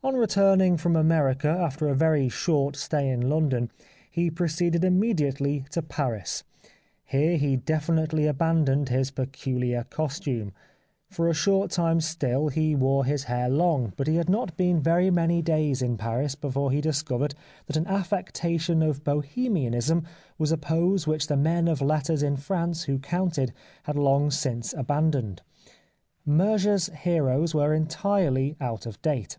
On returning from America, after a very short stay in London, he proceeded immediately to Paris. Here he definitely abandoned his peculiar costume. For a short time still he wore his hair long, but he had not been very many days in 224 The Life of Oscar Wilde Paris before he discovered that an affectation of Bohemianism was a pose which the men of letters in France who counted had long since abandoned. Murger's heroes were entirely out of date.